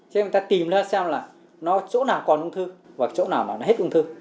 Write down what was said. chúng ta tìm ra xem chỗ nào còn ung thư và chỗ nào hết ung thư